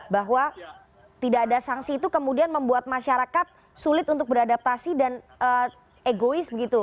bahwa tidak ada sanksi itu kemudian membuat masyarakat sulit untuk beradaptasi dan egois begitu